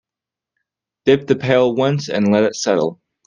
Dip the pail once and let it settle.